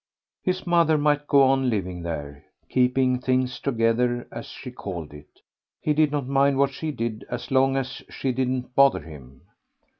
His mother might go on living there, keeping things together as she called it; he did not mind what she did as long as she didn't bother him.